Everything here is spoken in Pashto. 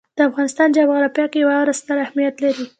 د افغانستان جغرافیه کې واوره ستر اهمیت لري.